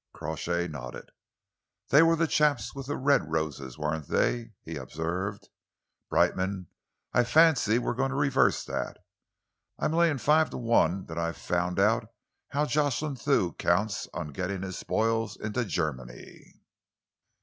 Crawshay nodded. "They were the chaps with the red roses, weren't they?" he observed. "Brightman, I fancy we are going to reverse that. I am laying five to one that I've found out how Jocelyn Thew counts on getting his spoils into Germany."